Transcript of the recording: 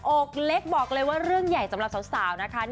อกเล็กบอกเลยว่าเรื่องใหญ่สำหรับสาวนะคะ